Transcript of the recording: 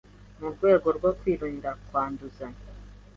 mu rwego rwo kwirinda kwanduzanya